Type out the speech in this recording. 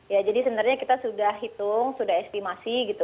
ya jadi sebenarnya kita sudah hitung sudah estimasi gitu